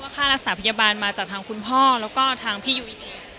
ค่ารักษาพยาบาลมาจากทางคุณพ่อแล้วก็ทางพี่ยุ้ยเอง